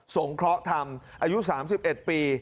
งเคราะห์ธรรมอายุ๓๑ปี